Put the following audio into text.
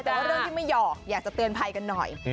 แต่ว่าเรื่องที่ไม่หอกอยากจะเตือนภัยกันหน่อย